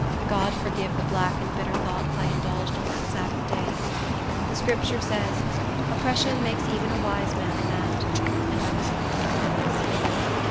God forgive the black and bitter thoughts I indulged on that Sabbath day! The Scripture says, "Oppression makes even a wise man mad;" and I was not wise.